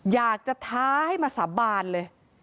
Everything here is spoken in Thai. อยากจะท้าให้มาสาบานเลย